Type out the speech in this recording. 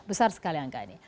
besar sekali angka ini